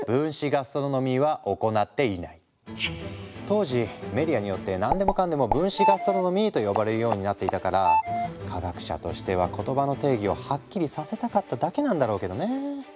当時メディアによって何でもかんでも分子ガストロノミーと呼ばれるようになっていたから科学者としては言葉の定義をはっきりさせたかっただけなんだろうけどね。